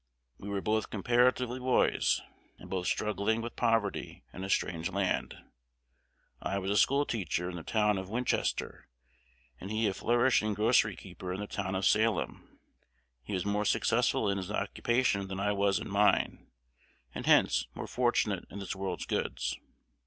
We were both comparatively boys, and both struggling with poverty in a strange land. I was a schoolteacher in the town of Winchester, and he a flourishing grocery keeper in the town of Salem. He was more successful in his occupation than I was in mine, and hence more fortunate in this world's goods.